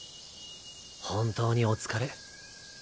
本当にお疲れ。